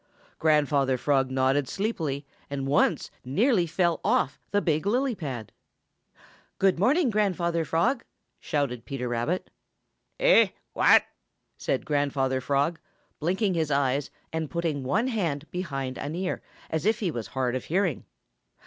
Grandfather Frog nodded sleepily and once nearly fell off the big lily pad. "Good morning, Grandfather Frog!" shouted Peter Rabbit. "Eh? What?" said Grandfather Frog, blinking his eyes and putting one hand behind an ear, as if he was hard of hearing.